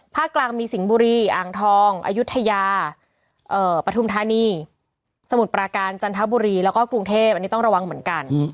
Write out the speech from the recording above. กลางมีสิงห์บุรีอ่างทองอายุทยาปฐุมธานีสมุทรปราการจันทบุรีแล้วก็กรุงเทพอันนี้ต้องระวังเหมือนกัน